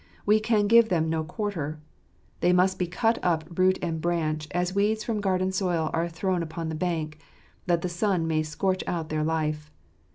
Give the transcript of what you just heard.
We can give them no quarter. They must be cut up root and branch; as weeds from garden soil are thrown upon the bank, that the sun may scorch out their life.